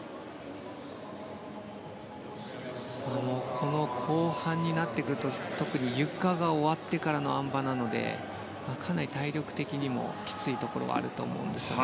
この後半になってくると特にゆかが終わってからのあん馬なので、かなり体力的にもきついところはあると思うんですね。